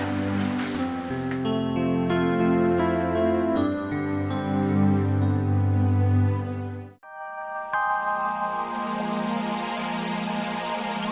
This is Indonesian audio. terima kasih bu